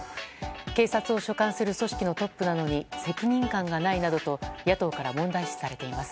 警察を所管する組織のトップなのに責任感がないなどと野党から問題視されています。